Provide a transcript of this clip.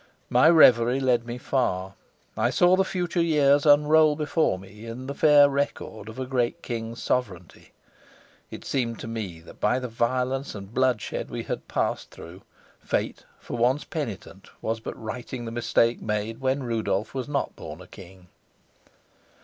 My reverie led me far; I saw the future years unroll before me in the fair record of a great king's sovereignty. It seemed to me that by the violence and bloodshed we had passed through, fate, for once penitent, was but righting the mistake made when Rudolf was not born a king.